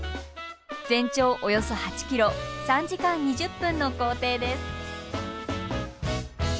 全長およそ８ｋｍ３時間２０分の行程です。